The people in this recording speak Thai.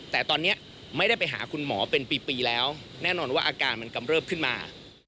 แต่ตอนนี้ไม่ได้ไปหาคุณหมอเป็นปีแล้วแน่นอนว่าอาการมันกำเริบขึ้นมา